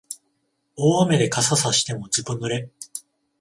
大雨で傘さしてもずぶ濡れ